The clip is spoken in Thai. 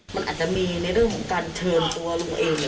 มันอาจจะมีในเรื่องของการเชิญตัวลุงเอง